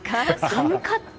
寒かった！